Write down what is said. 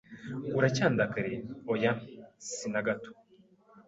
"Uracyandakariye?" "Oya, si na gato."